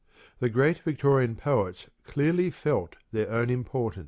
The great Victorian poets clearly felt their own importance.